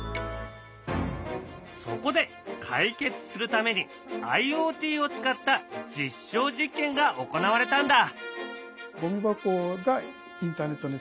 そこで解決するためにＩｏＴを使った実証実験が行われたんだ。